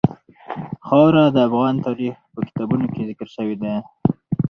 خاوره د افغان تاریخ په کتابونو کې ذکر شوی دي.